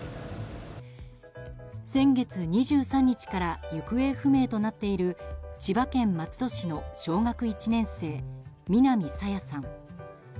先月２３日から行方不明となっている千葉県松戸市の小学１年生南朝芽さん。